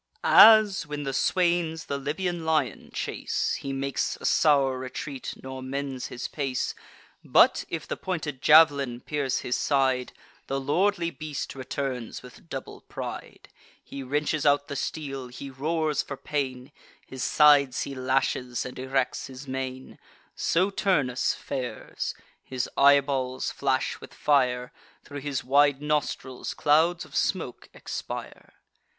As, when the swains the Libyan lion chase, He makes a sour retreat, nor mends his pace; But, if the pointed jav'lin pierce his side, The lordly beast returns with double pride: He wrenches out the steel, he roars for pain; His sides he lashes, and erects his mane: So Turnus fares; his eyeballs flash with fire, Thro' his wide nostrils clouds of smoke expire.